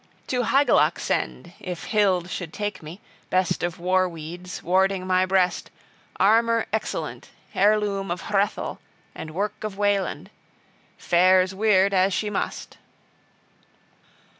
To Hygelac send, if Hild {6d} should take me, best of war weeds, warding my breast, armor excellent, heirloom of Hrethel and work of Wayland. {6e} Fares Wyrd {6f} as she must."